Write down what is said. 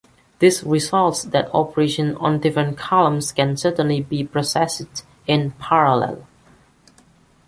This results that operations on different columns can certainly be processed in parallel.